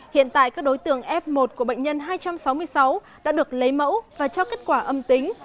hiện tại các đối tượng f một của bệnh nhân hai trăm sáu mươi sáu đã được lấy mẫu và cho kết quả âm tính